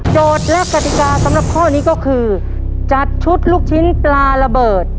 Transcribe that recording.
และกติกาสำหรับข้อนี้ก็คือจัดชุดลูกชิ้นปลาระเบิด